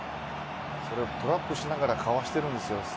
トラップしながらかわしているんです。